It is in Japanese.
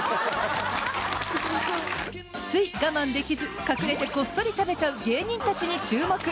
つい我慢できず隠れてこっそり食べちゃう芸人たちに注目。